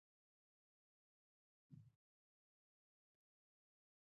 افغانستان به ارام کیږي؟